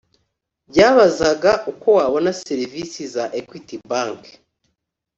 byabazaga uko wabona serivisi za Equity Bank